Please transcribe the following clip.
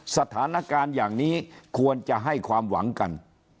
สถานการณ์อย่างนี้ควรจะให้ความหวังกัน